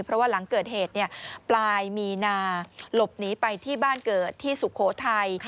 เพราะว่าหลังเกิดเหตุปลายมีนาหลบหนีไปที่บ้านเกิดที่สุโขทัย